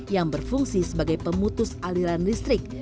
yang berfungsi sebagai pemutus aliran listrik